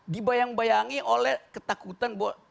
dibayang bayangi oleh ketakutan bahwa